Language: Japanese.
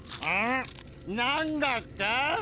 なんだって？